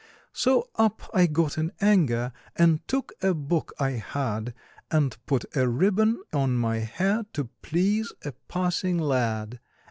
So up I got in anger, And took a book I had, And put a ribbon on my hair To please a passing lad.